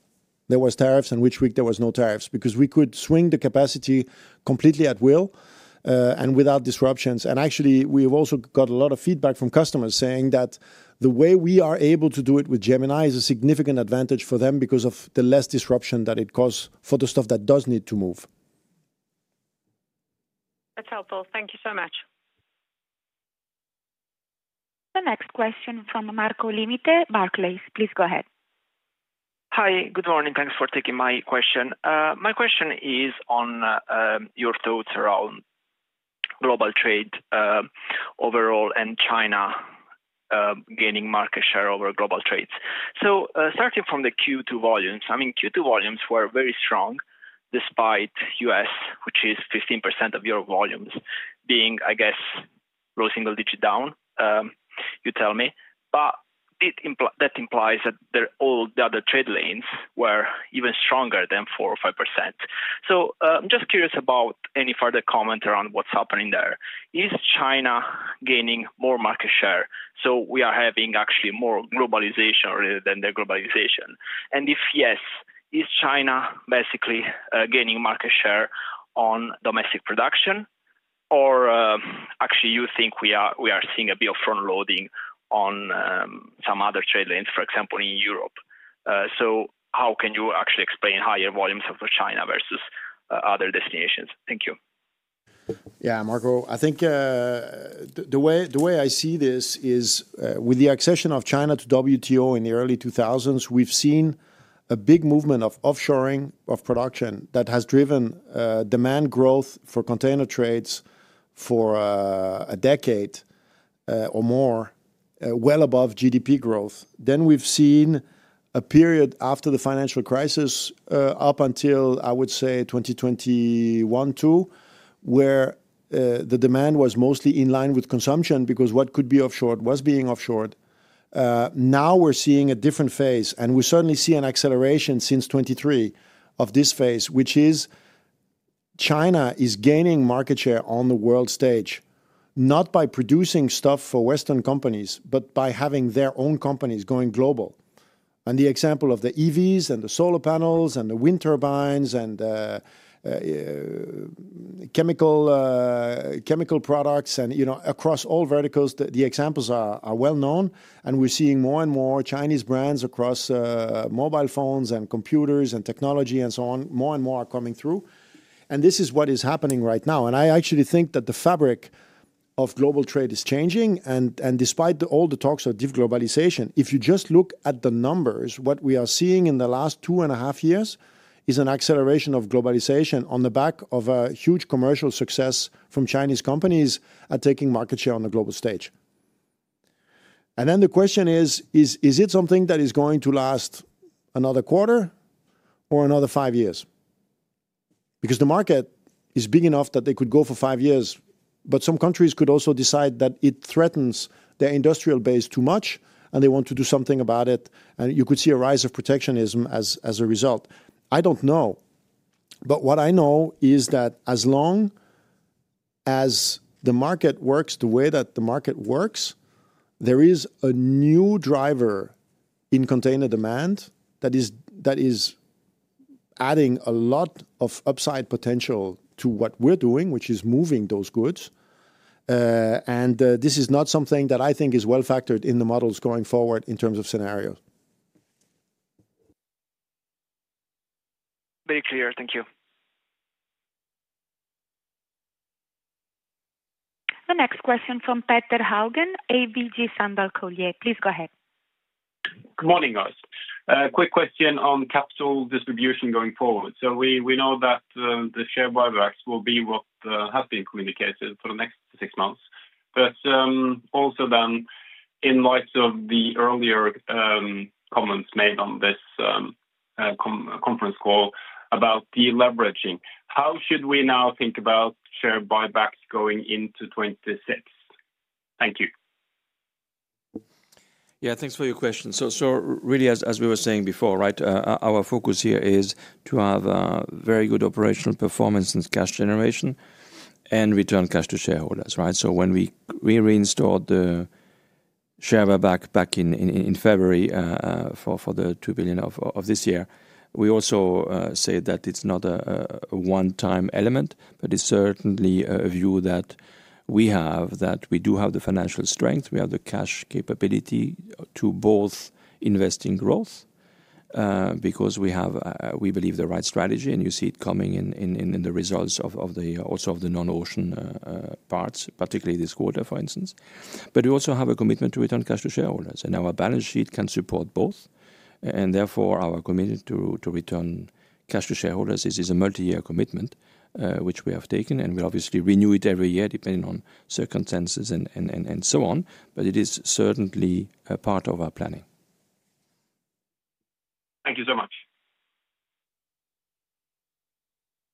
there were tariffs and which week there were no tariffs because we could swing the capacity completely at will and without disruptions. We've also got a lot of feedback from customers saying that the way we are able to do it with Gemini is a significant advantage for them because of the less disruption that it causes for the stuff that does need to move. That's helpful. Thank you so much. The next question from Marco Limite, Barclays. Please go ahead. Hi. Good morning. Thanks for taking my question. My question is on your thoughts around global trade overall and China gaining market share over global trades. Starting from the Q2 volumes, Q2 volumes were very strong despite U.S., which is 15% of your volumes, being, I guess, low single digit down, you tell me. That implies that all the other trade lanes were even stronger than 4% or 5%. I'm just curious about any further comment around what's happening there. Is China gaining more market share so we are having actually more globalization rather than deglobalization? If yes, is China basically gaining market share on domestic production, or actually you think we are seeing a bit of front loading on some other trade lanes, for example, in Europe? How can you actually explain higher volumes of China versus other destinations? Thank you. Yeah, Marco, I think the way I see this is with the accession of China to WTO in the early 2000s, we've seen a big movement of offshoring of production that has driven demand growth for container trades for a decade or more, well above GDP growth. Then we've seen a period after the financial crisis up until, I would say, 2021 too, where the demand was mostly in line with consumption because what could be offshored was being offshored. Now we're seeing a different phase, and we certainly see an acceleration since 2023 of this phase, which is China is gaining market share on the world stage, not by producing stuff for Western companies, but by having their own companies going global. The example of the EVs and the solar panels and the wind turbines and the chemical products and across all verticals, the examples are well-known. We're seeing more and more Chinese brands across mobile phones and computers and technology and so on, more and more are coming through. This is what is happening right now. I actually think that the fabric of global trade is changing. Despite all the talks of deglobalization, if you just look at the numbers, what we are seeing in the last two and a half years is an acceleration of globalization on the back of a huge commercial success from Chinese companies at taking market share on the global stage. The question is, is it something that is going to last another quarter or another five years? The market is big enough that they could go for five years, but some countries could also decide that it threatens their industrial base too much, and they want to do something about it. You could see a rise of protectionism as a result. I don't know. What I know is that as long as the market works the way that the market works, there is a new driver in container demand that is adding a lot of upside potential to what we're doing, which is moving those goods. This is not something that I think is well-factored in the models going forward in terms of scenarios. Very clear. Thank you. The next question from Petter Haugen, ABG Sundal Collier. Please go ahead. Good morning, guys. Quick question on the capital distribution going forward. We know that the share buybacks will be what has been communicated for the next six months. Also, in light of the earlier comments made on this conference call about deleveraging, how should we now think about share buybacks going into 2026? Thank you. Yeah, thanks for your question. As we were saying before, our focus here is to have very good operational performance and cash generation and return cash to shareholders, right? When we reinstalled the share buyback back in February for the $2 billion of this year, we also said that it's not a one-time element, but it's certainly a view that we have that we do have the financial strength. We have the cash capability to both invest in growth because we believe the right strategy, and you see it coming in the results of the also of the non-ocean parts, particularly this quarter, for instance. We also have a commitment to return cash to shareholders, and our balance sheet can support both. Therefore, our commitment to return cash to shareholders, this is a multi-year commitment which we have taken, and we'll obviously renew it every year depending on circumstances and so on. It is certainly a part of our planning. Thank you so much.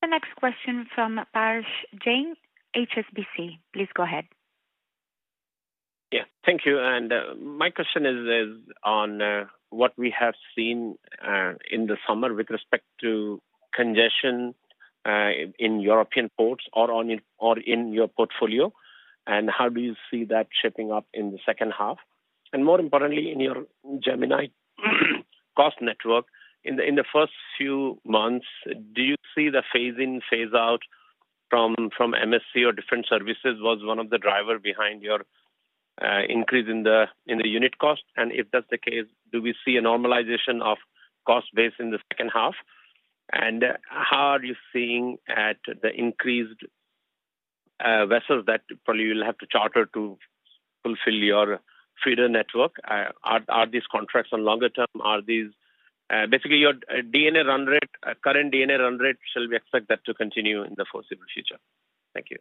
The next question from Parash Jain, HSBC. Please go ahead. Thank you. My question is on what we have seen in the summer with respect to congestion in European ports or in your portfolio, and how do you see that shaping up in the second half? More importantly, in your Gemini cost network, in the first few months, do you see the phase-in, phase-out from MSC or different services was one of the drivers behind your increase in the unit cost? If that's the case, do we see a normalization of cost-based in the second half? How are you seeing the increased vessels that probably you'll have to charter to fulfill your feeder network? Are these contracts on longer term? Are these basically your D&A run rate, current D&A run rate, shall we expect that to continue in the foreseeable future? Thank you.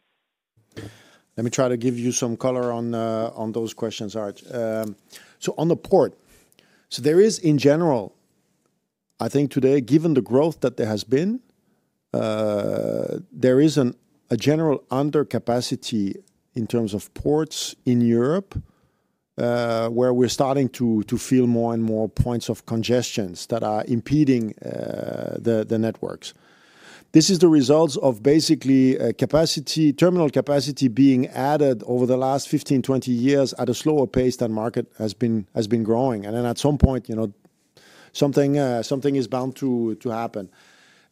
Let me try to give you some color on those questions, Art. On the port, in general, I think today, given the growth that there has been, there is a general undercapacity in terms of ports in Europe where we're starting to feel more and more points of congestion that are impeding the networks. This is the result of basically terminal capacity being added over the last 15, 20 years at a slower pace than the market has been growing. At some point, something is bound to happen.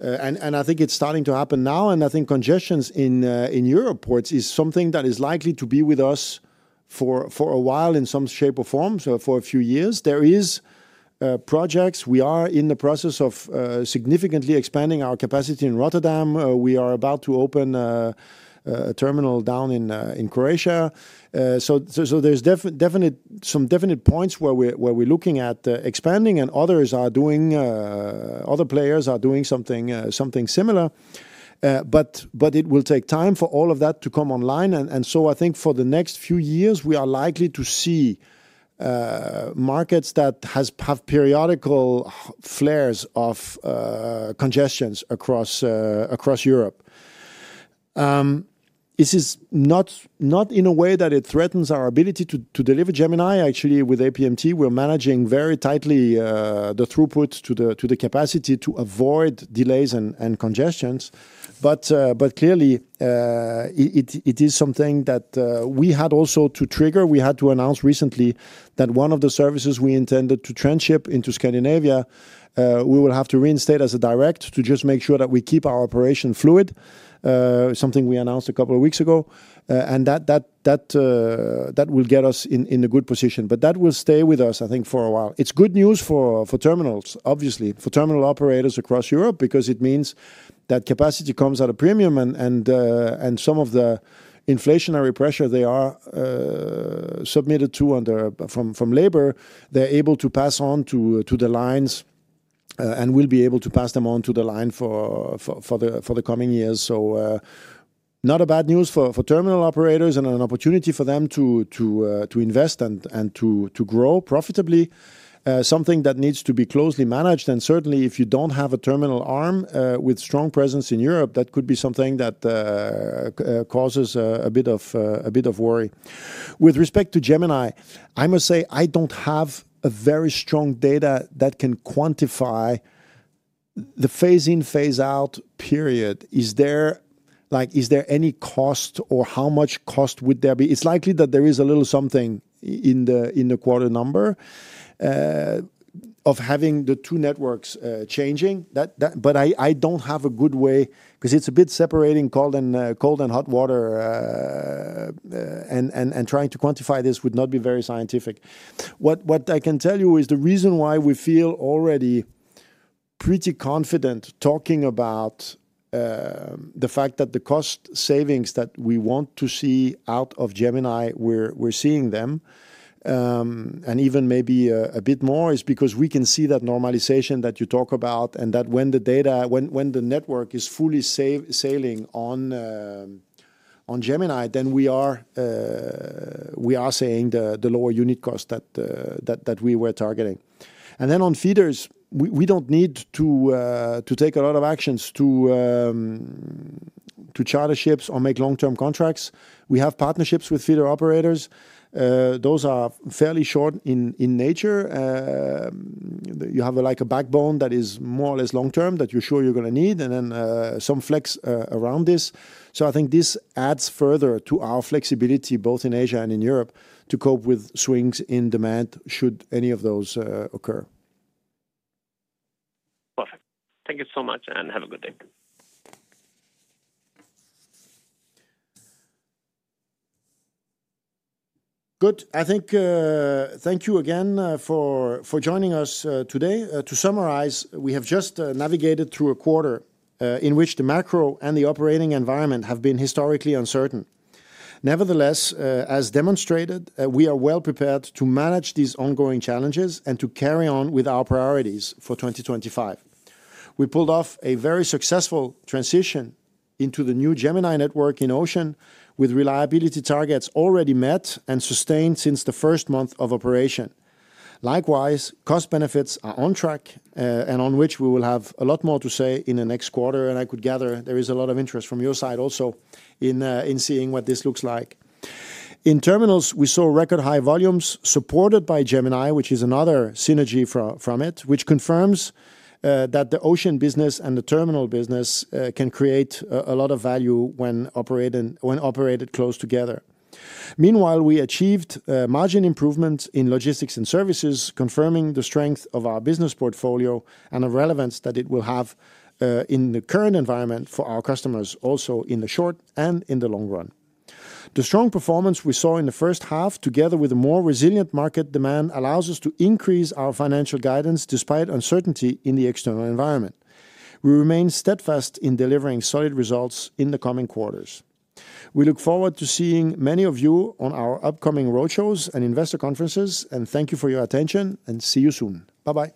I think it's starting to happen now. Congestion in Europe ports is something that is likely to be with us for a while in some shape or form, for a few years. There are projects. We are in the process of significantly expanding our capacity in Rotterdam. We are about to open a terminal down in Croatia. There are some definite points where we're looking at expanding, and other players are doing something similar. It will take time for all of that to come online. For the next few years, we are likely to see markets that have periodical flares of congestion across Europe. This is not in a way that it threatens our ability to deliver Gemini. Actually, with APMT, we're managing very tightly the throughput to the capacity to avoid delays and congestion. Clearly, it is something that we had also to trigger. We had to announce recently that one of the services we intended to transship into Scandinavia, we will have to reinstate as a direct to just make sure that we keep our operation fluid, something we announced a couple of weeks ago. That will get us in a good position. That will stay with us, I think, for a while. It's good news for terminals, obviously, for terminal operators across Europe because it means that capacity comes at a premium. Some of the inflationary pressure they are submitted to from labor, they're able to pass on to the lines and will be able to pass them on to the line for the coming years. Not a bad news for terminal operators and an opportunity for them to invest and to grow profitably, something that needs to be closely managed. Certainly, if you don't have a terminal arm with strong presence in Europe, that could be something that causes a bit of worry. With respect to Gemini, I must say I don't have a very strong data that can quantify the phase-in, phase-out period. Is there any cost or how much cost would there be? It's likely that there is a little something in the quarter number of having the two networks changing. I don't have a good way because it's a bit separating cold and hot water, and trying to quantify this would not be very scientific. What I can tell you is the reason why we feel already pretty confident talking about the fact that the cost savings that we want to see out of Gemini, we're seeing them, and even maybe a bit more, is because we can see that normalization that you talk about and that when the data, when the network is fully sailing on Gemini, we are seeing the lower unit cost that we were targeting. On feeders, we don't need to take a lot of actions to charter ships or make long-term contracts. We have partnerships with feeder operators. Those are fairly short in nature. You have like a backbone that is more or less long-term that you're sure you're going to need and then some flex around this. I think this adds further to our flexibility, both in Asia and in Europe, to cope with swings in demand should any of those occur. Perfect. Thank you so much, and have a good day. Good. I think thank you again for joining us today. To summarize, we have just navigated through a quarter in which the macro and the operating environment have been historically uncertain. Nevertheless, as demonstrated, we are well-prepared to manage these ongoing challenges and to carry on with our priorities for 2025. We pulled off a very successful transition into the new Gemini network in Ocean with reliability targets already met and sustained since the first month of operation. Likewise, cost benefits are on track and on which we will have a lot more to say in the next quarter. I could gather there is a lot of interest from your side also in seeing what this looks like. In Terminals, we saw record high volumes supported by Gemini, which is another synergy from it, which confirms that the Ocean business and the Terminals business can create a lot of value when operated close together. Meanwhile, we achieved margin improvements in Logistics & Services, confirming the strength of our business portfolio and the relevance that it will have in the current environment for our customers, also in the short and in the long run. The strong performance we saw in the first half, together with a more resilient market demand, allows us to increase our financial guidance despite uncertainty in the external environment. We remain steadfast in delivering solid results in the coming quarters. We look forward to seeing many of you on our upcoming roadshows and investor conferences. Thank you for your attention, and see you soon. Bye-bye.